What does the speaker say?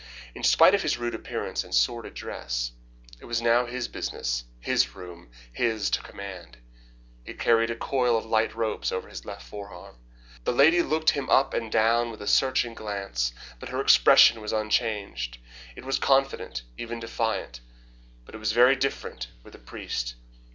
In spite of his rude appearance and sordid dress, it was now his business, his room, his to command. He carried a coil of light ropes over his left forearm. The lady looked him up and down with a searching glance, but her expression was unchanged. It was confident even defiant. But it was very different with the priest.